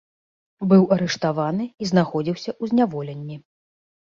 Быў арыштаваны і знаходзіўся ў зняволенні.